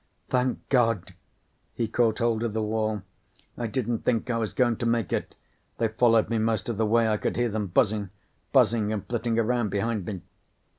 "Thank God." He caught hold of the wall. "I didn't think I was going to make it. They followed me most of the way. I could hear them buzzing. Buzzing and flitting around behind me."